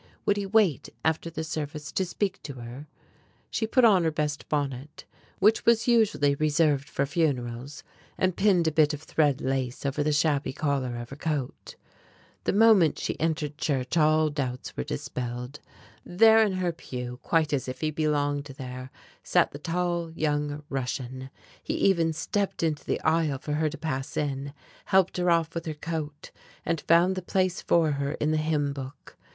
Would he wait after the service to speak to her? She put on her best bonnet, which was usually reserved for funerals, and pinned a bit of thread lace over the shabby collar of her coat. The moment she entered church all doubts were dispelled. There in her pew, quite as if he belonged there, sat the tall young Russian. He even stepped into the aisle for her to pass in, helped her off with her coat, and found the place for her in the hymn book.